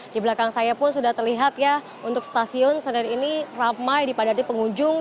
di belakang saya pun sudah terlihat ya untuk stasiun senen ini ramai dipadati pengunjung